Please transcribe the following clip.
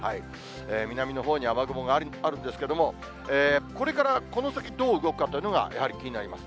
南のほうに雨雲があるんですけれども、これからこの先どう動くかというのがやはり気になります。